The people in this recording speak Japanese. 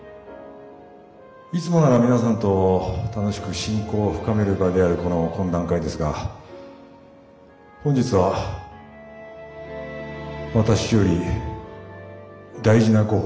いつもなら皆さんと楽しく親交を深める場であるこの懇談会ですが本日は私より大事なご報告があります。